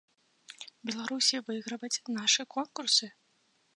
Беларусі выйграваць нашы конкурсы?